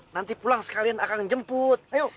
nanti pulang sekalian akan jemput ayo